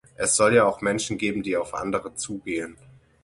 Es soll ja auch Menschen geben, die auf andere zugehen.